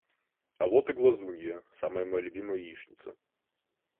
А вот и глазунья, самая моя любимая яичница.